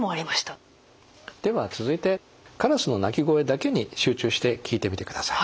では続いてカラスの鳴き声だけに集中して聴いてみてください。